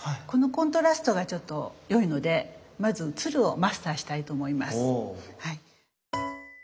このコントラストがちょっと良いのでまず鶴をマスターしたいと思います。